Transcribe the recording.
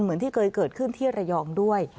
เหมือนที่เคยเกิดขึ้นที่ระยองด้วย